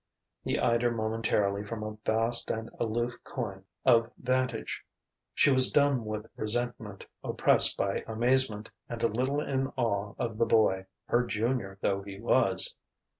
He eyed her momentarily from a vast and aloof coign of vantage. She was dumb with resentment, oppressed by amazement and a little in awe of the boy, her junior though he was.